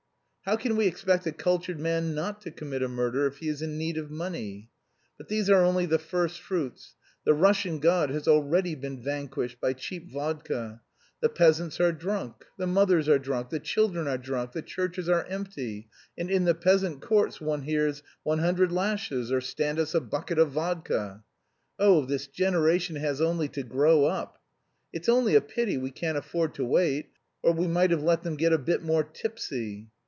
'How can we expect a cultured man not to commit a murder, if he is in need of money.' But these are only the first fruits. The Russian God has already been vanquished by cheap vodka. The peasants are drunk, the mothers are drunk, the children are drunk, the churches are empty, and in the peasant courts one hears, 'Two hundred lashes or stand us a bucket of vodka.' Oh, this generation has only to grow up. It's only a pity we can't afford to wait, or we might have let them get a bit more tipsy!